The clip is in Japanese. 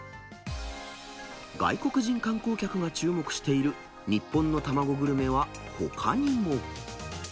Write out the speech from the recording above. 外国人観光客が注目している、日本の卵グルメはほかにも。